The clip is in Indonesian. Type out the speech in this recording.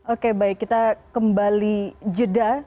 oke baik kita kembali jeda